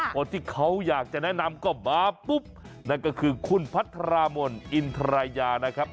คนที่เขาอยากจะแนะนำก็มาปุ๊บนั่นก็คือคุณพัทรามนอินทรายานะครับ